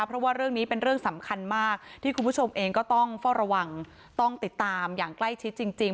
เพราะว่าเรื่องนี้เป็นเรื่องสำคัญมากที่คุณผู้ชมเองก็ต้องเฝ้าระวังต้องติดตามอย่างใกล้ชิดจริง